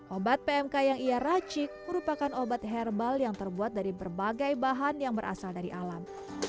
obat pmk yang ia racik merupakan obat herbal yang terbuat dari berbagai bahan yang berasal dari alam